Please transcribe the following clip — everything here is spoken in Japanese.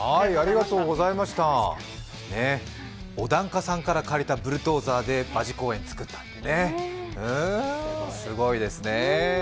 お檀家さんから借りたブルドーザーで馬事公苑を造ったってね、すごいですね。